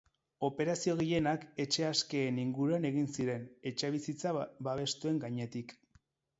Operazio gehienak etxe askeen inguruan egin ziren, etxebizitza babestuen gainetik.